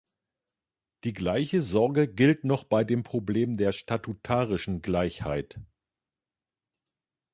Die gleiche Sorge gilt noch dem Problem der statutarischen Gleichheit.